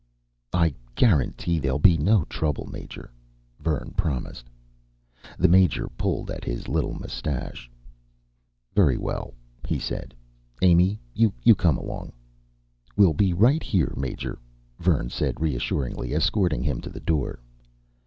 "I guarantee there'll be no trouble, Major," Vern promised. The Major pulled at his little mustache. "Very well," he said. "Amy, you come along." "We'll be right here, Major," Vern said reassuringly, escorting him to the door.